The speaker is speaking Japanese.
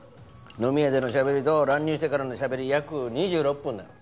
飲み屋での喋りと乱入してからの喋り約２６分だ。